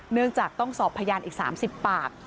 เนื่องจากต้องสอบพยานอีก๓๐ปาก